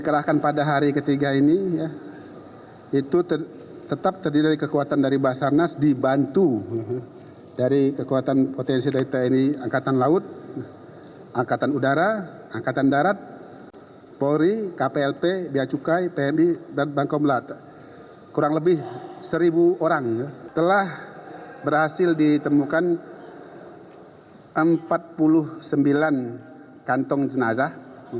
kurang lebih seribu orang telah berhasil ditemukan empat puluh sembilan kantong jenazah